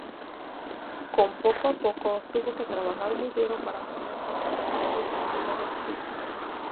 Con poco apoyo, tuvo que trabajar muy duro para poder costearse sus primeros kits.